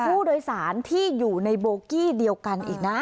ผู้โดยสารที่อยู่ในโบกี้เดียวกันอีกนะ